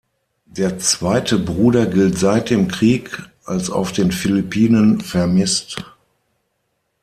Der zweite Bruder gilt seit dem Krieg als auf den Philippinen vermisst.